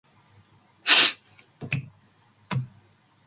Full term means the period between two Party Congresses.